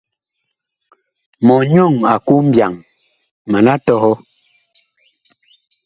Mɔnyɔŋ a ku mbyaŋ, mana tɔhɔ.